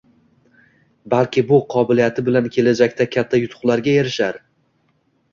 Balki bu qobiliyati bilan kelajakda katta yutuqlarga erishar?